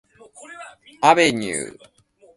技を出す、その反応力ですね、アグベニュー選手の。